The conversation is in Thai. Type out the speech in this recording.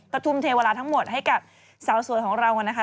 ก็ทุ่มเทเวลาทั้งหมดให้กับสาวสวยของเรานะคะ